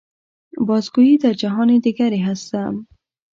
باز گوئی در جهان دیگری هستم.